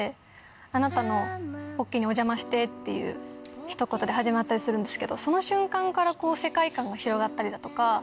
「あなたのポッケにおじゃまして」っていうひと言で始まったりするんですけどその瞬間から世界観が広がったりだとか。